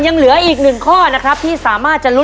ยังเหลือเวลาทำไส้กรอกล่วงได้เยอะเลยลูก